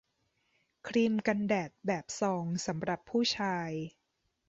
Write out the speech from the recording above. ครีมกันแดดแบบซองสำหรับผู้ชาย